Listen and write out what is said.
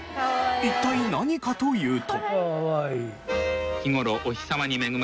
一体何かというと。